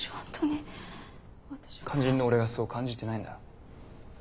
肝心の俺がそう感じてないんだ。